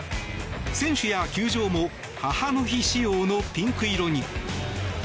選手や球場も母の日仕様のピンク色に。